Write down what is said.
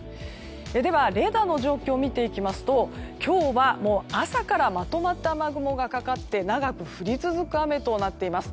では、レーダーの状況を見ていきますと今日は朝からまとまった雨雲がかかって長く降り続く雨となっています。